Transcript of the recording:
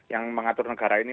yang mengatur negara ini